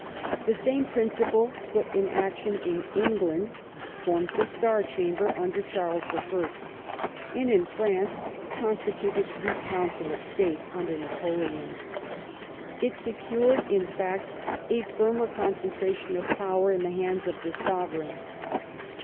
The same principle, put in action in England, formed the Star Chamber under Charles I. ; and, in France, constituted the Council of State under Napoleon. It secured, in fact, a firmer concentration of power in the hands of the sovereign.